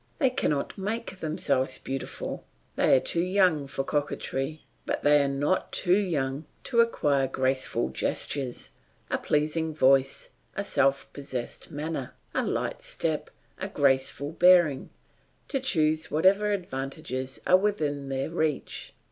They cannot make themselves beautiful, they are too young for coquetry, but they are not too young to acquire graceful gestures, a pleasing voice, a self possessed manner, a light step, a graceful bearing, to choose whatever advantages are within their reach.